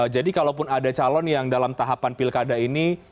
jadi kalaupun ada calon yang dalam tahapan pilkada ini